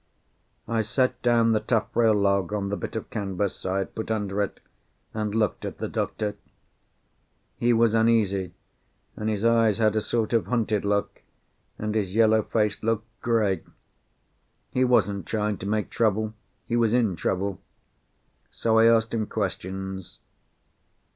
I set down the taffrail log on the bit of canvas I had put under it, and looked at the doctor. He was uneasy, and his eyes had a sort of hunted look, and his yellow face looked grey. He wasn't trying to make trouble. He was in trouble. So I asked him questions.